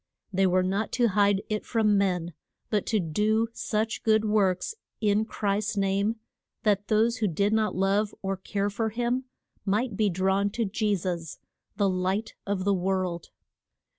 They were not to hide it from men, but to do such good works, in Christ's name, that those who did not love or care for him might be drawn to Je sus the light of the world.